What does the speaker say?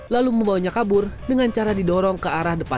lalu membawanya kabur dengan cara didorong ke arah depan